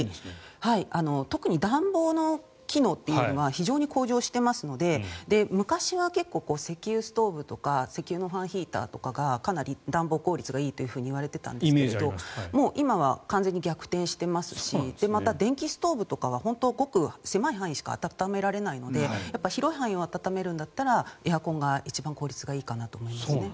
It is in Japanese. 特に暖房の機能というのは非常に向上していますので昔は結構、石油ストーブとか石油のファンヒーターとかがかなり暖房効率がいいといわれていたんですが今は完全に逆転していますしまた、電気ストーブとかは本当にごく狭い範囲しか暖められないので広い範囲を暖めるならエアコンが一番効率がいいかなと思います。